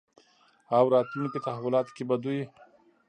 او راتلونکې تحولاتو کې به دوی